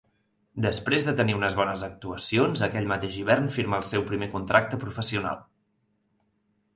Després de tenir unes bones actuacions aquell mateix hivern firma el seu primer contracte professional.